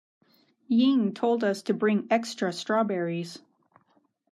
Ying told us to bring extra strawberries.